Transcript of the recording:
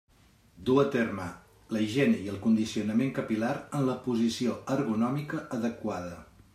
Du a terme la higiene i el condicionament capil·lar en la posició ergonòmica adequada.